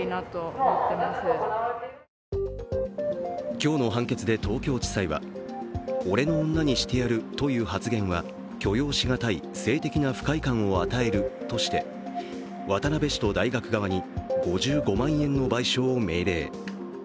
今日の判決で東京地裁は、俺の女にしてやるという発言は許容しがたい性的な不快感を与えるとして渡部氏と大学側に５５万円の賠償を命令。